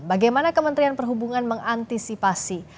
bagaimana kementerian perhubungan mengantisipasi